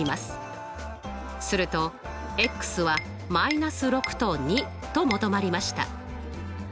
するとは−６と２と求まりました。